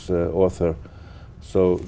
tôi không nói